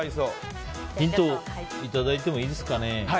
ヒントいただいてもいいですかね？